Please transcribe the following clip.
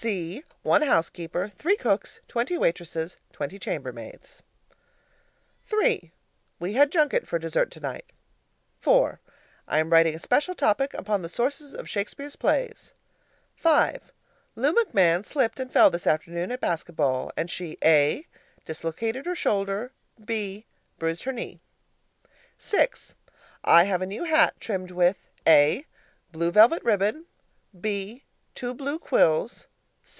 (c) one housekeeper, three cooks, twenty waitresses, twenty chambermaids. III. We had junket for dessert tonight. IV. I am writing a special topic upon the Sources of Shakespeare's Plays. V. Lou McMahon slipped and fell this afternoon at basket ball, and she: A. Dislocated her shoulder. B. Bruised her knee. VI. I have a new hat trimmed with: A. Blue velvet ribbon. B. Two blue quills.